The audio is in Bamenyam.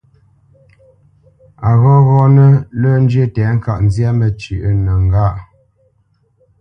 A ghɔghɔnə́ lə́ njyə́ tɛ̌ŋka nzyâ məcywǐnəŋgâʼ.